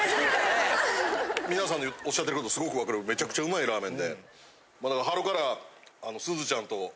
皆さんねおっしゃってることすごく分かるめちゃくちゃうまいラーメンで。